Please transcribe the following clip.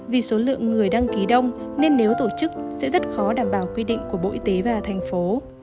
vì số lượng người đăng ký đông nên nếu tổ chức sẽ rất khó đảm bảo quy định của bộ y tế và thành phố